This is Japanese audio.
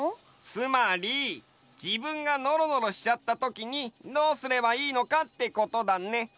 つまり自分がのろのろしちゃったときにどうすればいいのかってことだね。